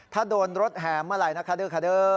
ถ้าโดนรถแห่เมื่อไหร่นะคะเด้อคาเดอร์